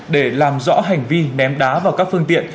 để làm rõ hành vi ném đá vào các phương tiện